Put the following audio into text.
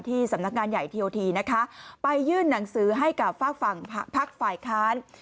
สำนักงานใหญ่ทีโอทีนะคะไปยื่นหนังสือให้กับฝากฝั่งพักฝ่ายค้าน